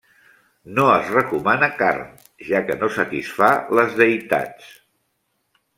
No es recomana carn, ja que no satisfà les deïtats.